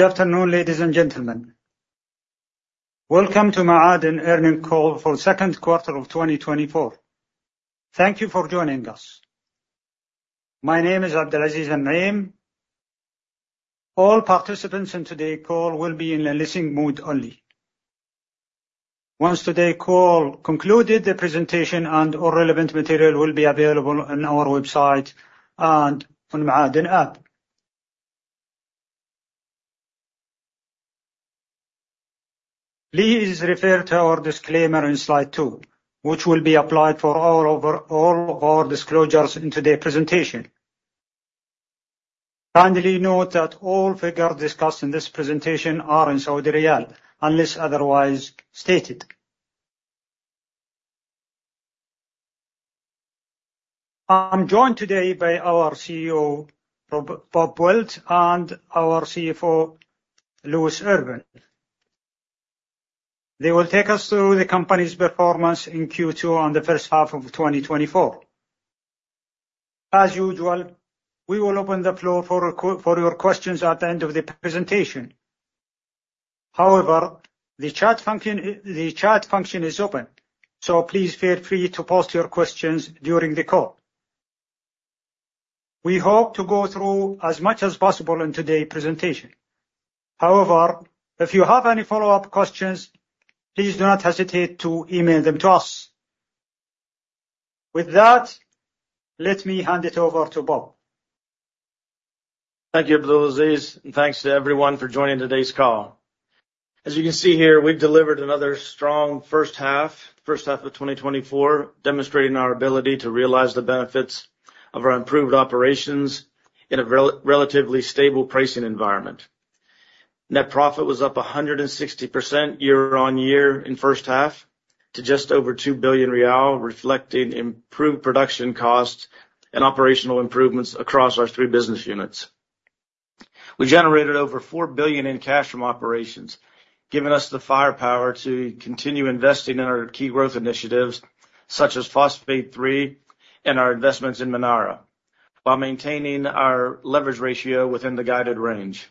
Good afternoon, ladies and gentlemen. Welcome to Ma'aden earnings call for the second quarter of 2024. Thank you for joining us. My name is Abdulaziz AlNaim. All participants in today's call will be in a listening mode only. Once today's call concluded, the presentation and all relevant material will be available on our website and on Ma'aden App. Please refer to our disclaimer in slide two, which will be applied for all of our disclosures in today's presentation. Kindly note that all figures discussed in this presentation are in Saudi riyal, unless otherwise stated. I'm joined today by our CEO, Bob Wilt, and our CFO, Louis Irvine. They will take us through the company's performance in Q2 and the first half of 2024. As usual, we will open the floor for your questions at the end of the presentation. However, the chat function is open, so please feel free to post your questions during the call. We hope to go through as much as possible in today's presentation. However, if you have any follow-up questions, please do not hesitate to email them to us. With that, let me hand it over to Bob. Thank you, Abdulaziz, and thanks to everyone for joining today's call. As you can see here, we've delivered another strong first half of 2024, demonstrating our ability to realize the benefits of our improved operations in a relatively stable pricing environment. Net profit was up 160% year-on-year in first half to just over SAR 2 billion, reflecting improved production costs and operational improvements across our three business units. We generated over 4 billion in cash from operations, giving us the firepower to continue investing in our key growth initiatives such as Phosphate 3 and our investments in Manara, while maintaining our leverage ratio within the guided range.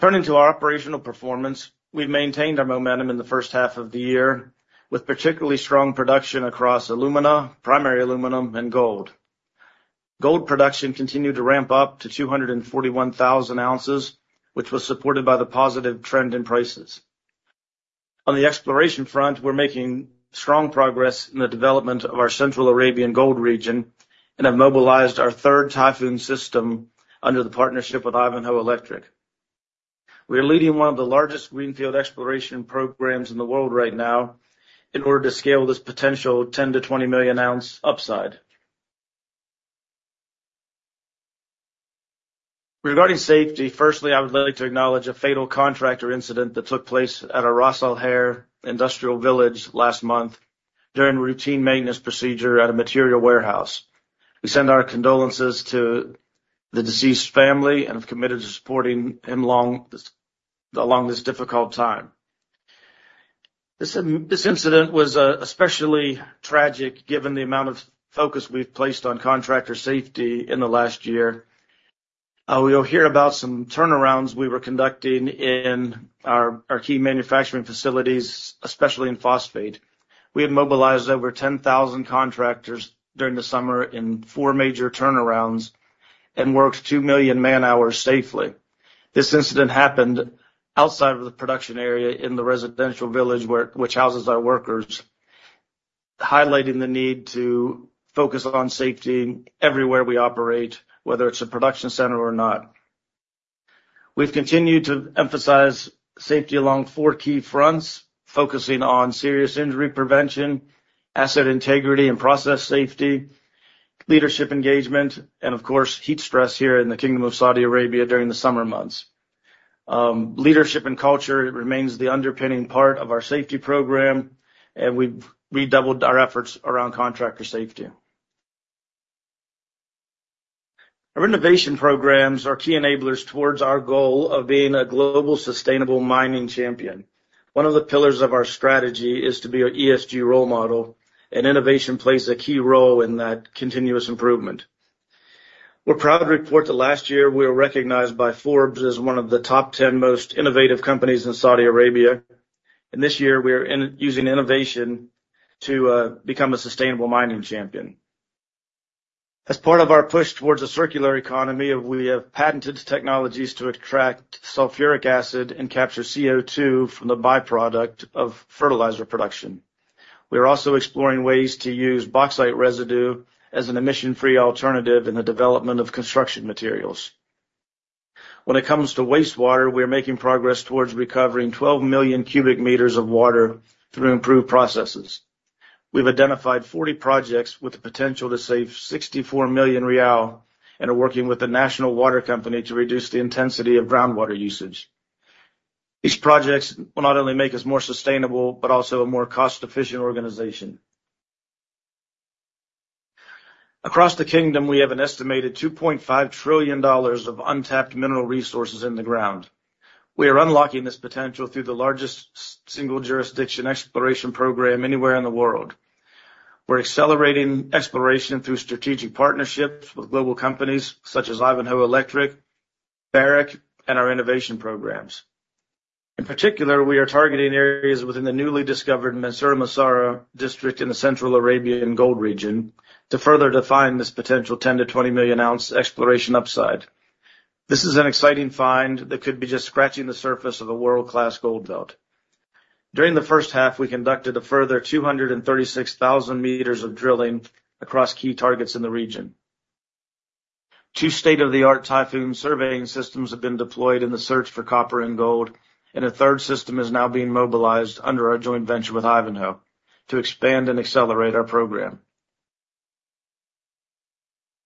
Turning to our operational performance, we've maintained our momentum in the first half of the year, with particularly strong production across alumina, primary aluminum and gold. Gold production continued to ramp up to 241,000 ounces, which was supported by the positive trend in prices. On the exploration front, we're making strong progress in the development of our Central Arabian Gold Region and have mobilized our third Typhoon System under the partnership with Ivanhoe Electric. We are leading one of the largest greenfield exploration programs in the world right now in order to scale this potential 10 million-20 million ounce upside. Regarding safety, firstly, I would like to acknowledge a fatal contractor incident that took place at our Ras Al Khair industrial village last month during routine maintenance procedure at a material warehouse. We send our condolences to the deceased's family and have committed to supporting them along this difficult time. This incident was especially tragic given the amount of focus we've placed on contractor safety in the last year. We will hear about some turnarounds we were conducting in our key manufacturing facilities, especially in phosphate. We have mobilized over 10,000 contractors during the summer in four major turnarounds and worked 2 million man-hours safely. This incident happened outside of the production area in the residential village which houses our workers, highlighting the need to focus on safety everywhere we operate, whether it's a production center or not. We've continued to emphasize safety along four key fronts, focusing on serious injury prevention, asset integrity and process safety, leadership engagement, and of course, heat stress here in the Kingdom of Saudi Arabia during the summer months. Leadership and culture remains the underpinning part of our safety program, and we've redoubled our efforts around contractor safety. Our innovation programs are key enablers towards our goal of being a global sustainable mining champion. One of the pillars of our strategy is to be an ESG role model, and innovation plays a key role in that continuous improvement. We're proud to report that last year we were recognized by Forbes as one of the top ten most innovative companies in Saudi Arabia. This year we are using innovation to become a sustainable mining champion. As part of our push towards a circular economy, we have patented technologies to extract sulfuric acid and capture CO2 from the by-product of fertilizer production. We are also exploring ways to use bauxite residue as an emission-free alternative in the development of construction materials. When it comes to wastewater, we are making progress towards recovering 12 million cubic meters of water through improved processes. We've identified 40 projects with the potential to save SAR 64 million and are working with the National Water Company to reduce the intensity of groundwater usage. These projects will not only make us more sustainable, but also a more cost-efficient organization. Across the kingdom, we have an estimated $2.5 trillion of untapped mineral resources in the ground. We are unlocking this potential through the largest single jurisdiction exploration program anywhere in the world. We're accelerating exploration through strategic partnerships with global companies such as Ivanhoe Electric, Barrick, and our innovation programs. In particular, we are targeting areas within the newly discovered Mansourah-Massarah district in the Central Arabian Gold Region to further define this potential 10 million-20 million ounce exploration upside. This is an exciting find that could be just scratching the surface of a world-class gold belt. During the first half, we conducted a further 236,000 meters of drilling across key targets in the region. Two state-of-the-art Typhoon surveying systems have been deployed in the search for copper and gold, and a third system is now being mobilized under our joint venture with Ivanhoe to expand and accelerate our program.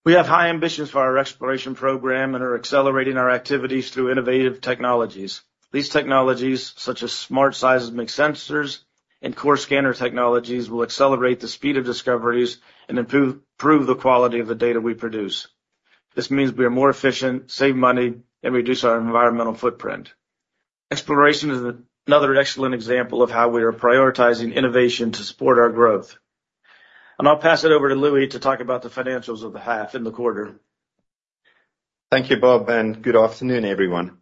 We have high ambitions for our exploration program and are accelerating our activities through innovative technologies. These technologies, such as Smart Seismic Sensors and Core Scanner Technologies, will accelerate the speed of discoveries and improve the quality of the data we produce. This means we are more efficient, save money, and reduce our environmental footprint. Exploration is another excellent example of how we are prioritizing innovation to support our growth. I'll pass it over to Louis to talk about the financials of the half and the quarter. Thank you, Bob, and good afternoon, everyone.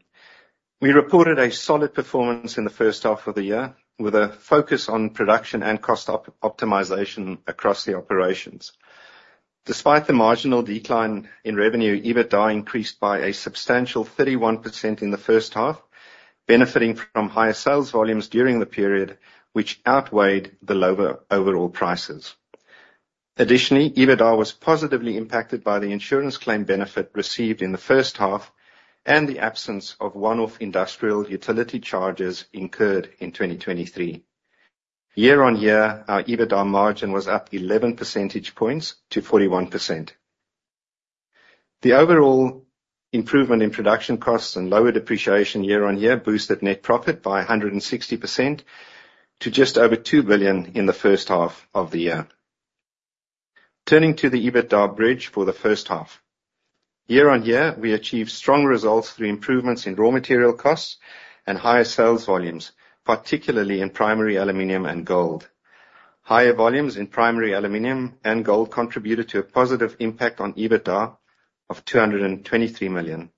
We reported a solid performance in the first half of the year with a focus on production and cost optimization across the operations. Despite the marginal decline in revenue, EBITDA increased by a substantial 31% in the first half, benefiting from higher sales volumes during the period, which outweighed the lower overall prices. Additionally, EBITDA was positively impacted by the insurance claim benefit received in the first half and the absence of one-off industrial utility charges incurred in 2023. Year-on-year, our EBITDA margin was up 11 percentage points to 41%. The overall improvement in production costs and lower depreciation year-on-year boosted net profit by 160% to just over 2 billion in the first half of the year. Turning to the EBITDA bridge for the first half. Year-on-year, we achieved strong results through improvements in raw material costs and higher sales volumes, particularly in primary aluminum and gold. Higher volumes in primary aluminum and gold contributed to a positive impact on EBITDA of 223 million.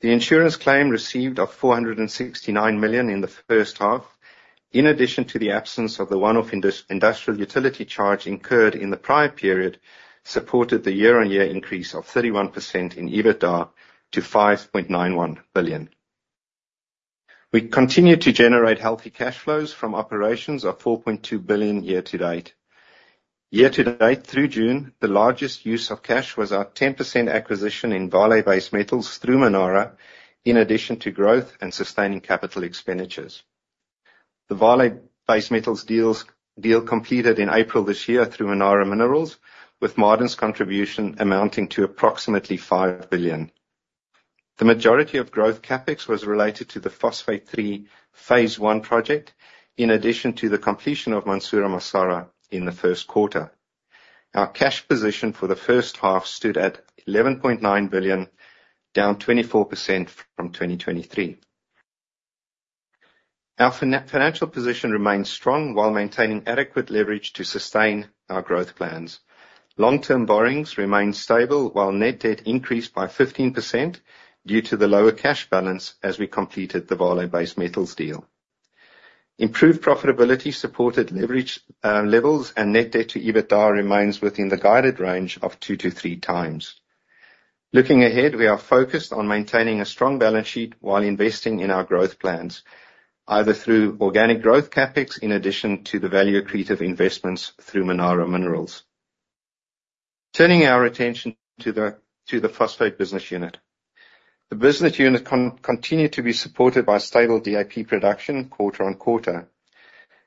The insurance claim received of 469 million in the first half, in addition to the absence of the one-off industrial utility charge incurred in the prior period, supported the year-on-year increase of 31% in EBITDA to 5.91 billion. We continue to generate healthy cash flows from operations of 4.2 billion year-to-date. Year-to-date through June, the largest use of cash was our 10% acquisition in Vale Base Metals through Manara, in addition to growth and sustaining capital expenditures. The Vale Base Metals deal completed in April this year through Manara Minerals, with Ma'aden's contribution amounting to approximately 5 billion. The majority of growth CapEx was related to the Phosphate 3 phase I project, in addition to the completion of Mansourah-Massarah in the first quarter. Our cash position for the first half stood at 11.9 billion, down 24% from 2023. Our financial position remains strong while maintaining adequate leverage to sustain our growth plans. Long-term borrowings remain stable while net debt increased by 15% due to the lower cash balance as we completed the Vale Base Metals deal. Improved profitability supported leverage levels and net debt to EBITDA remains within the guided range of 2x-3x. Looking ahead, we are focused on maintaining a strong balance sheet while investing in our growth plans, either through organic growth CapEx in addition to the value accretive investments through Manara Minerals. Turning our attention to the phosphate business unit. The business unit continue to be supported by stable DAP production quarter-on-quarter.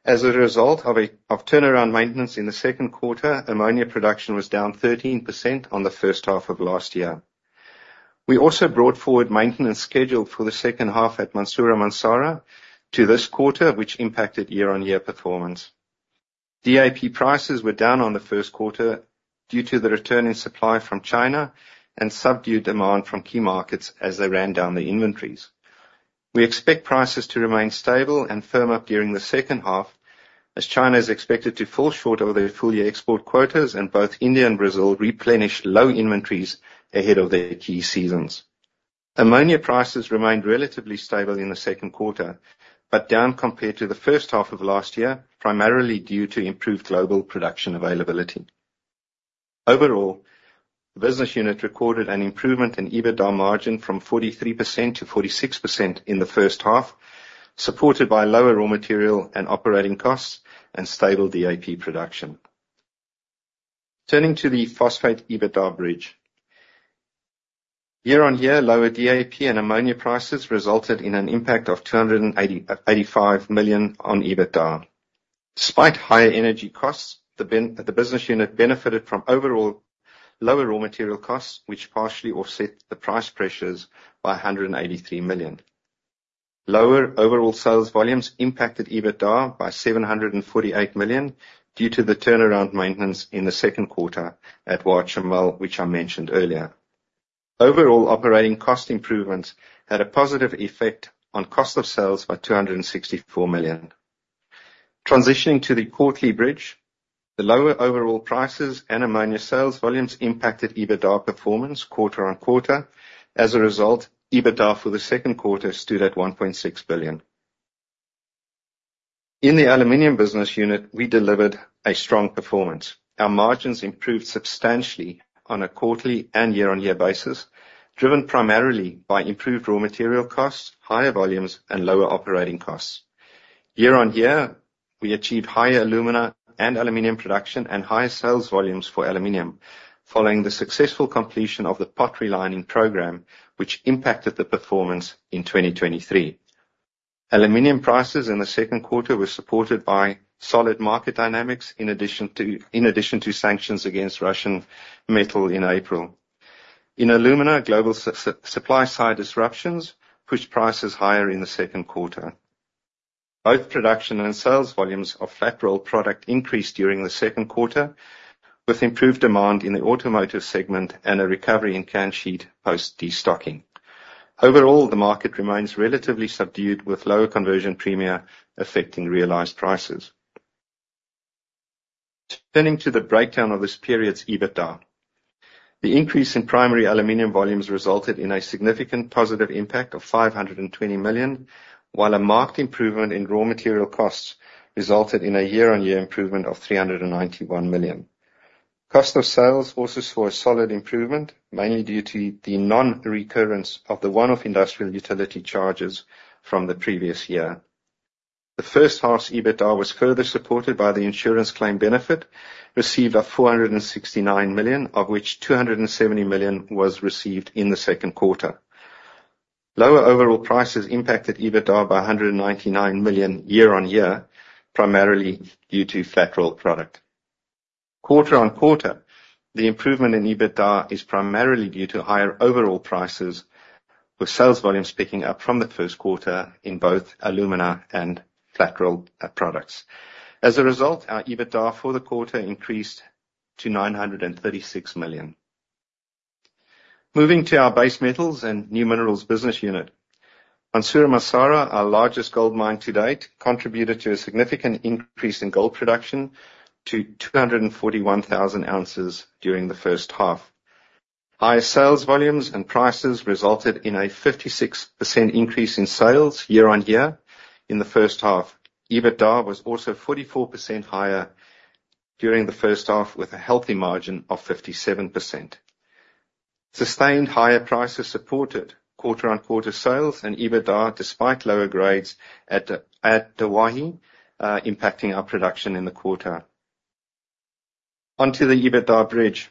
As a result of turnaround maintenance in the second quarter, ammonia production was down 13% on the first half of last year. We also brought forward maintenance scheduled for the second half at Mansourah-Massarah to this quarter, which impacted year-on-year performance. DAP prices were down on the first quarter due to the return in supply from China and subdued demand from key markets as they ran down the inventories. We expect prices to remain stable and firm up during the second half as China is expected to fall short of their full year export quotas and both India and Brazil replenish low inventories ahead of their key seasons. Ammonia prices remained relatively stable in the second quarter, but down compared to the first half of last year, primarily due to improved global production availability. Overall, the business unit recorded an improvement in EBITDA margin from 43% to 46% in the first half, supported by lower raw material and operating costs and stable DAP production. Turning to the phosphate EBITDA bridge. Year-on-year, lower DAP and ammonia prices resulted in an impact of 285 million on EBITDA. Despite higher energy costs, the business unit benefited from overall lower raw material costs, which partially offset the price pressures by 183 million. Lower overall sales volumes impacted EBITDA by 748 million due to the turnaround maintenance in the second quarter at Wa'ad Al Shamal, which I mentioned earlier. Overall operating cost improvements had a positive effect on cost of sales by 264 million. Transitioning to the quarterly bridge, the lower overall prices and ammonia sales volumes impacted EBITDA performance quarter-over-quarter. As a result, EBITDA for the second quarter stood at 1.6 billion. In the aluminum business unit, we delivered a strong performance. Our margins improved substantially on a quarterly and year-on-year basis, driven primarily by improved raw material costs, higher volumes and lower operating costs. Year-on-year, we achieved higher alumina and aluminum production and higher sales volumes for aluminum, following the successful completion of the potlining program, which impacted the performance in 2023. Aluminum prices in the second quarter were supported by solid market dynamics in addition to sanctions against Russian metal in April. In alumina, global supply side disruptions pushed prices higher in the second quarter. Both production and sales volumes of flat-rolled product increased during the second quarter, with improved demand in the automotive segment and a recovery in canned sheet post-destocking. Overall, the market remains relatively subdued, with lower conversion premia affecting realized prices. Turning to the breakdown of this period's EBITDA. The increase in primary aluminum volumes resulted in a significant positive impact of 520 million, while a marked improvement in raw material costs resulted in a year-on-year improvement of 391 million. Cost of sales also saw a solid improvement, mainly due to the non-recurrence of the one-off industrial utility charges from the previous year. The first half's EBITDA was further supported by the insurance claim benefit, received at 469 million, of which 270 million was received in the second quarter. Lower overall prices impacted EBITDA by 199 million year-on-year, primarily due to flat-rolled product. Quarter-on-quarter, the improvement in EBITDA is primarily due to higher overall prices, with sales volumes picking up from the first quarter in both alumina and flat-rolled products. As a result, our EBITDA for the quarter increased to 936 million. Moving to our base metals and new minerals business unit. Mansourah-Massarah, our largest gold mine to date, contributed to a significant increase in gold production to 241,000 ounces during the first half. Higher sales volumes and prices resulted in a 56% increase in sales year-over-year in the first half. EBITDA was also 44% higher during the first half, with a healthy margin of 57%. Sustained higher prices supported quarter-on-quarter sales and EBITDA, despite lower grades at Ad Duwayhi impacting our production in the quarter. Onto the EBITDA bridge.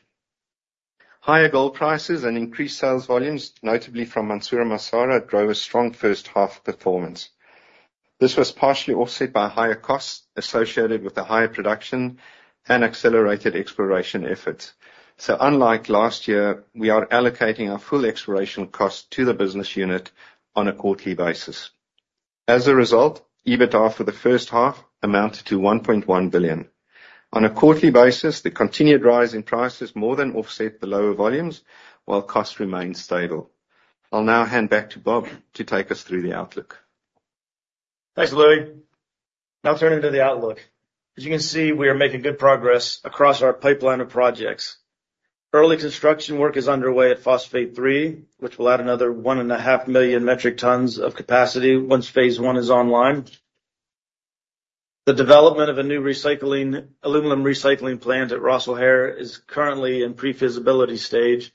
Higher gold prices and increased sales volumes, notably from Mansourah-Massarah, drove a strong first half performance. This was partially offset by higher costs associated with the higher production and accelerated exploration efforts. Unlike last year, we are allocating our full exploration cost to the business unit on a quarterly basis. As a result, EBITDA for the first half amounted to 1.1 billion. On a quarterly basis, the continued rise in prices more than offset the lower volumes, while costs remained stable. I'll now hand back to Bob to take us through the outlook. Thanks, Louis. Now turning to the outlook. As you can see, we are making good progress across our pipeline of projects. Early construction work is underway at Phosphate 3, which will add another 1.5 million metric tons of capacity once phase one is online. The development of a new recycling aluminum recycling plant at Ras Al Khair is currently in pre-feasibility stage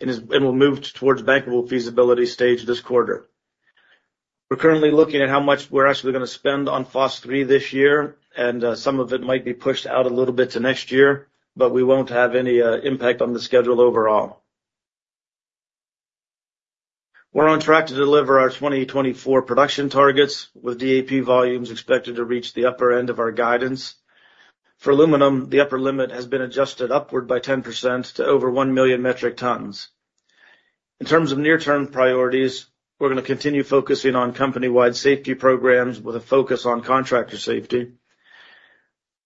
and it will move towards bankable feasibility stage this quarter. We're currently looking at how much we're actually gonna spend on Phosphate 3 this year, and some of it might be pushed out a little bit to next year, but we won't have any impact on the schedule overall. We're on track to deliver our 2024 production targets, with DAP volumes expected to reach the upper end of our guidance. For aluminum, the upper limit has been adjusted upward by 10% to over 1 million metric tons. In terms of near-term priorities, we're gonna continue focusing on company-wide safety programs with a focus on contractor safety.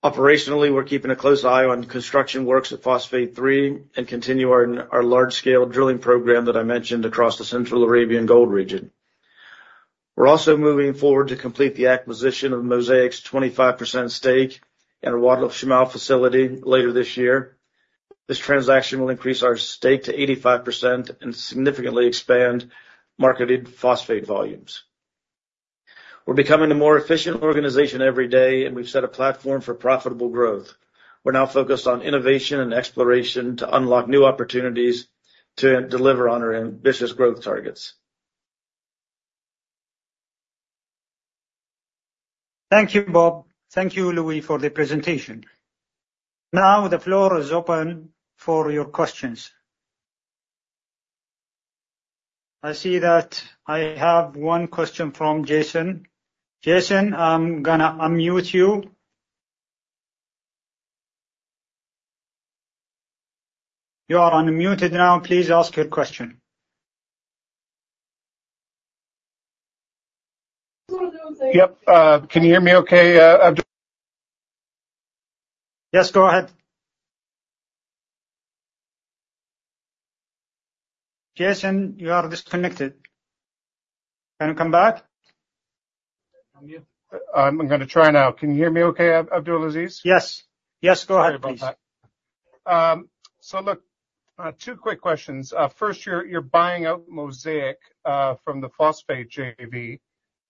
Operationally, we're keeping a close eye on construction works at Phosphate 3 and continue our large-scale drilling program that I mentioned across the Central Arabian Gold Region. We're also moving forward to complete the acquisition of Mosaic's 25% stake in Wa'ad Al Shamal facility later this year. This transaction will increase our stake to 85% and significantly expand marketed phosphate volumes. We're becoming a more efficient organization every day, and we've set a platform for profitable growth. We're now focused on innovation and exploration to unlock new opportunities to deliver on our ambitious growth targets. Thank you, Bob. Thank you, Louis, for the presentation. Now the floor is open for your questions. I see that I have one question from Jason. Jason, I'm gonna unmute you. You are unmuted now. Please ask your question. Yep. Can you hear me okay? Yes, go ahead. Jason, you are disconnected. Can you come back? I'm gonna try now. Can you hear me okay, Abdulaziz? Yes. Yes, go ahead please. How about that? Look, two quick questions. First, you're buying out Mosaic from the Phosphate JV.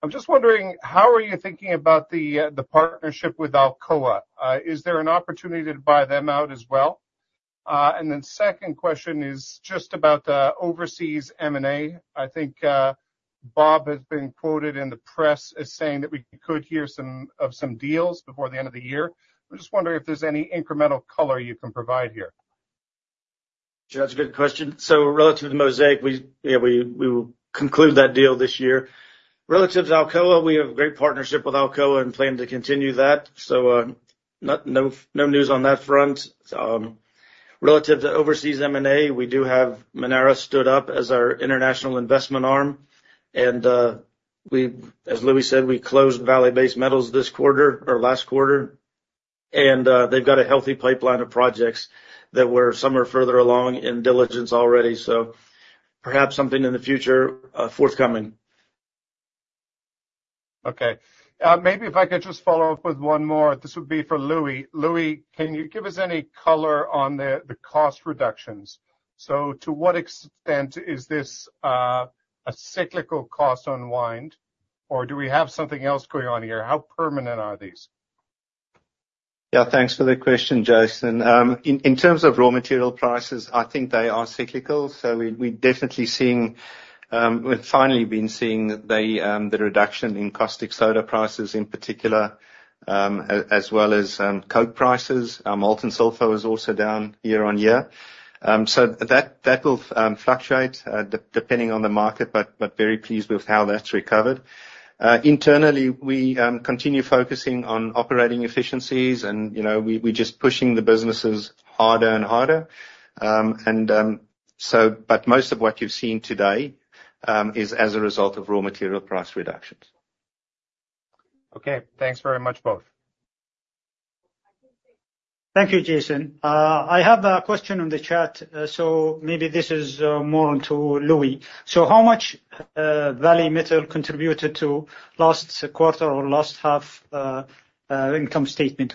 I'm just wondering, how are you thinking about the partnership with Alcoa? Is there an opportunity to buy them out as well? Second question is just about overseas M&A. I think Bob has been quoted in the press as saying that we could hear some deals before the end of the year. I'm just wondering if there's any incremental color you can provide here. Sure. That's a good question. Relative to Mosaic, we will conclude that deal this year. Relative to Alcoa, we have a great partnership with Alcoa and plan to continue that. No news on that front. Relative to overseas M&A, we do have Manara stood up as our international investment arm. As Louis said, we closed Vale Base Metals this quarter or last quarter, and they've got a healthy pipeline of projects that we're somewhere further along in diligence already, so perhaps something in the future, forthcoming. Okay. Maybe if I could just follow up with one more, this would be for Louis. Louis, can you give us any color on the cost reductions? To what extent is this a cyclical cost unwind, or do we have something else going on here? How permanent are these? Yeah, thanks for the question, Jason. In terms of raw material prices, I think they are cyclical, so we're definitely seeing. We've finally been seeing the reduction in caustic soda prices in particular, as well as coke prices. Molten sulfur is also down year-on-year. So that will fluctuate depending on the market, but very pleased with how that's recovered. Internally, we continue focusing on operating efficiencies, and you know, we're just pushing the businesses harder and harder. Most of what you've seen today is as a result of raw material price reductions. Okay. Thanks very much, both. Thank you, Jason. I have a question in the chat, so maybe this is more to Louis. How much Vale Metals contributed to last quarter or last half income statement?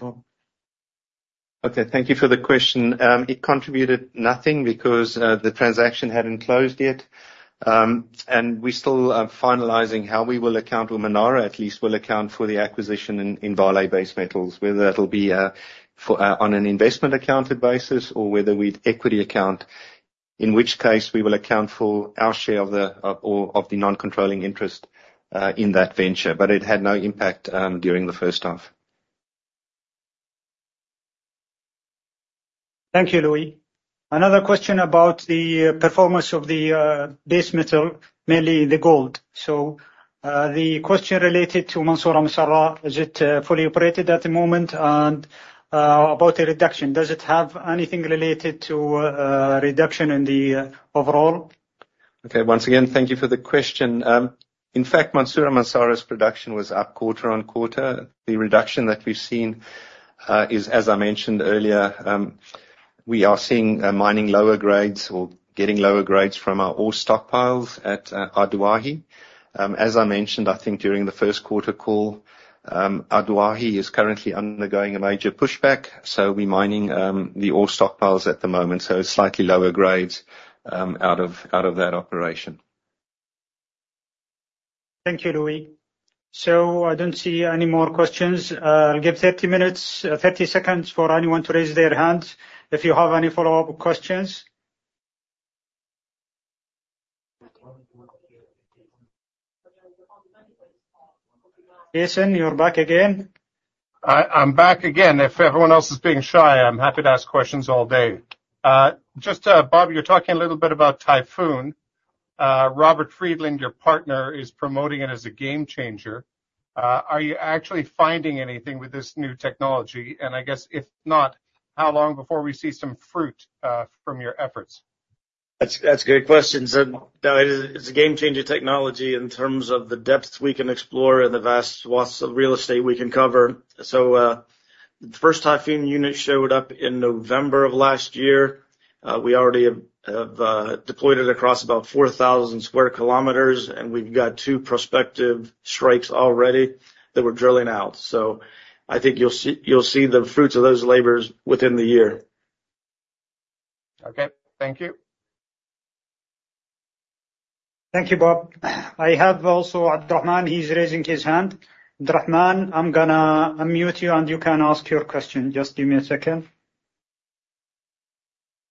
Okay. Thank you for the question. It contributed nothing because the transaction hadn't closed yet. We still are finalizing how we will account, or Manara at least will account for the acquisition in Vale Base Metals, whether that'll be on an investment accounted basis or whether we'd equity account, in which case we will account for our share of the non-controlling interest in that venture. It had no impact during the first half. Thank you, Louis. Another question about the performance of the base metal, mainly the gold. The question related to Mansourah-Massarah, is it fully operated at the moment? About the reduction, does it have anything related to reduction in the overall? Okay. Once again, thank you for the question. In fact, Mansourah-Massarah's production was up quarter-over-quarter. The reduction that we've seen is, as I mentioned earlier, we are seeing mining lower grades or getting lower grades from our ore stockpiles at Ad Duwayhi. As I mentioned, I think during the first quarter call, Ad Duwayhi is currently undergoing a major pushback, so we're mining the ore stockpiles at the moment. Slightly lower grades out of that operation. Thank you, Louis. I don't see any more questions. I'll give 30 seconds for anyone to raise their hands if you have any follow-up questions. Jason, you're back again. I'm back again. If everyone else is being shy, I'm happy to ask questions all day. Just, Bob, you're talking a little bit about Typhoon. Robert Friedland, your partner, is promoting it as a game changer. Are you actually finding anything with this new technology? I guess, if not, how long before we see some fruit from your efforts? That's a good question. No, it is, it's a game-changing technology in terms of the depth we can explore and the vast swaths of real estate we can cover. The first Typhoon unit showed up in November of last year. We already have deployed it across about 4,000 sq km, and we've got two prospective strikes already that we're drilling out. I think you'll see the fruits of those labors within the year. Okay. Thank you. Thank you, Bob. I have also Abdulrahman. He's raising his hand. Abdulrahman, I'm gonna unmute you, and you can ask your question. Just give me a second.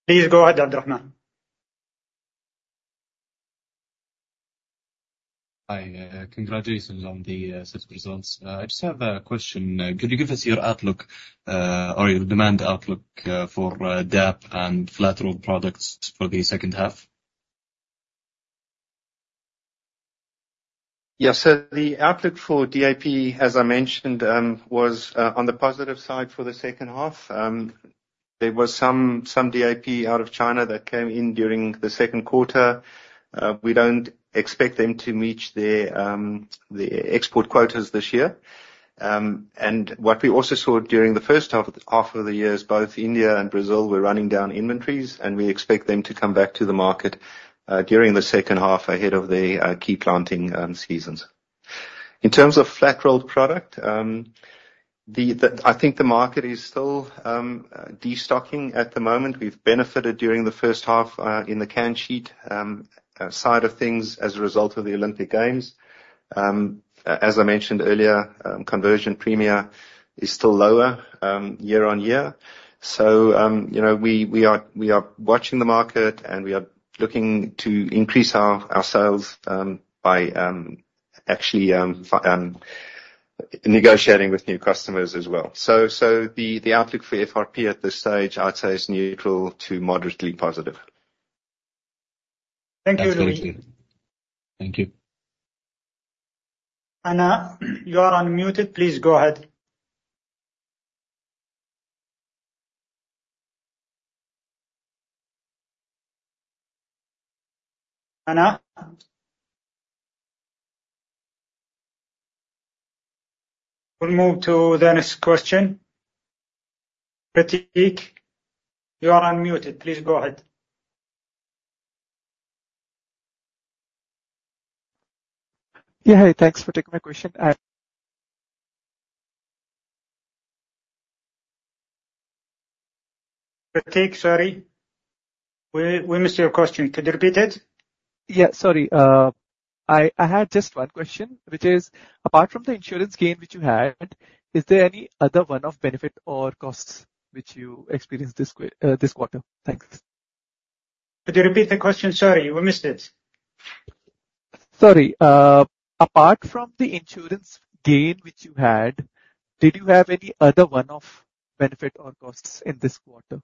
Please go ahead, Abdulrahman. Hi. Congratulations on the set of results. I just have a question. Could you give us your outlook or your demand outlook for DAP and flat-rolled products for the second half? Yeah. The outlook for DAP, as I mentioned, was on the positive side for the second half. There was some DAP out of China that came in during the second quarter. We don't expect them to reach their export quotas this year. What we also saw during the first half of the year is both India and Brazil were running down inventories, and we expect them to come back to the market during the second half ahead of their key planting seasons. In terms of flat-rolled product, I think the market is still destocking at the moment. We've benefited during the first half in the canned sheet side of things as a result of the Olympic Games. As I mentioned earlier, conversion premia is still lower year-on-year. You know, we are watching the market, and we are looking to increase our sales by actually negotiating with new customers as well. The outlook for FRP at this stage, I'd say is neutral to moderately positive. Thank you, Louis. Thank you. Anna, you are unmuted. Please go ahead. Anna? We'll move to the next question. Prateek, you are unmuted. Please go ahead. Yeah. Thanks for taking my question. Prateek, sorry. We missed your question. Could you repeat it? Yeah. Sorry. I had just one question, which is, apart from the insurance gain which you had, is there any other one-off benefit or costs which you experienced this quarter? Thanks. Could you repeat the question? Sorry, we missed it. Sorry. Apart from the insurance gain which you had, did you have any other one-off benefit or costs in this quarter?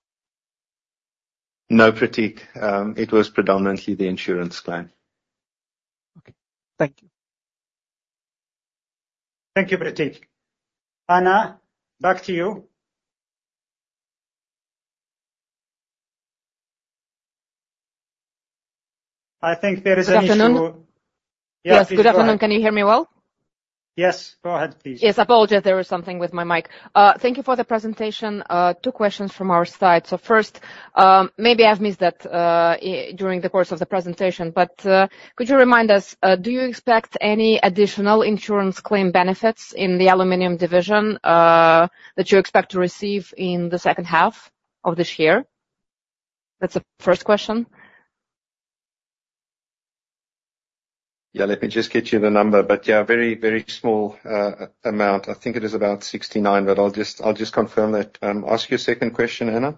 No, Prateek. It was predominantly the insurance claim. Okay. Thank you. Thank you, Prateek. Anna, back to you. I think there is an issue. Good afternoon. Yeah. Yes. Good afternoon. Can you hear me well? Yes. Go ahead, please. Yes. Apologies, there was something with my mic. Thank you for the presentation. Two questions from our side. First, maybe I've missed that during the course of the presentation, but could you remind us, do you expect any additional insurance claim benefits in the aluminum division that you expect to receive in the second half of this year? That's the first question. Yeah. Let me just get you the number. Yeah, very, very small amount. I think it is about 69, but I'll just confirm that. Ask your second question, Anna.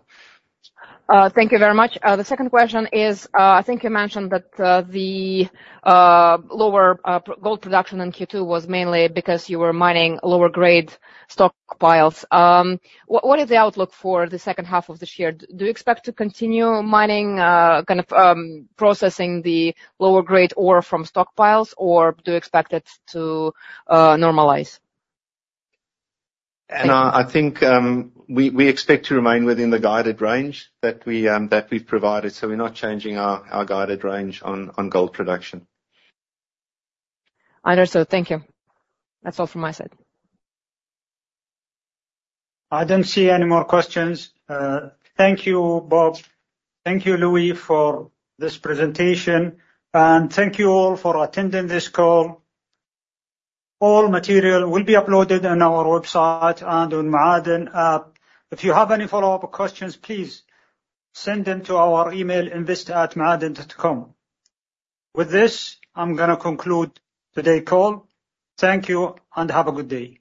Thank you very much. The second question is, I think you mentioned that the lower gold production in Q2 was mainly because you were mining lower grade stockpiles. What is the outlook for the second half of this year? Do you expect to continue mining kind of processing the lower grade ore from stockpiles, or do you expect it to normalize? Anna, I think, we expect to remain within the guided range that we've provided. We're not changing our guided range on gold production. I understand. Thank you. That's all from my side. I don't see any more questions. Thank you, Bob. Thank you, Louis, for this presentation. Thank you all for attending this call. All material will be uploaded on our website and on Ma'aden App. If you have any follow-up questions, please send them to our email, investor@maaden.com. With this, I'm gonna conclude today call. Thank you, and have a good day.